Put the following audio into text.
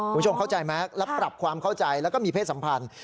คุณผู้ชมเข้าใจไหมแล้วปรับความเข้าใจแล้วก็มีเพศสัมพันธ์